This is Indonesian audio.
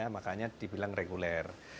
makanya dibilang reguler